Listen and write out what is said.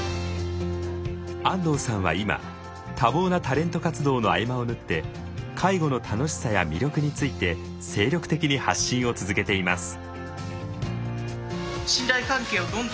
安藤さんは今多忙なタレント活動の合間を縫って介護の楽しさや魅力について精力的に発信を続けています。